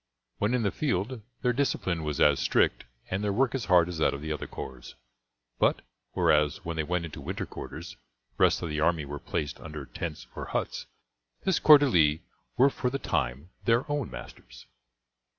When in the field their discipline was as strict and their work as hard as that of the other corps, but, whereas, when they went into winter quarters, the rest of the army were placed under tents or huts, this corps d'elite were for the time their own masters.